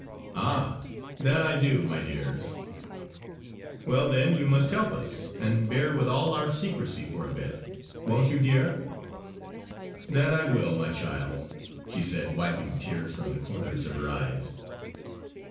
"Ah, that I do, my dears!" "Well then you must help us; and bear with all our secrecy for a bit; won't you dear?" "That I will, my child!" she said wiping tears from the corners of her eyes.